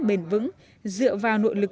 bền vững dựa vào nội lực